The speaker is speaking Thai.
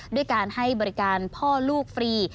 ด้วยการให้บริการพ่อลูกฟรี